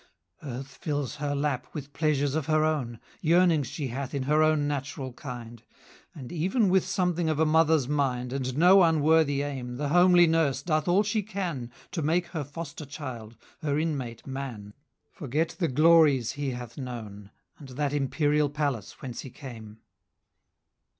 Earth fills her lap with pleasures of her own; Yearnings she hath in her own natural kind, And, even with something of a mother's mind, 80 And no unworthy aim, The homely nurse doth all she can To make her foster child, her Inmate Man, Forget the glories he hath known, And that imperial palace whence he came.